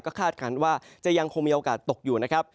คาดการณ์ว่าจะยังคงมีโอกาสตกอยู่นะครับ